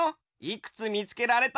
いくつみつけられたかな？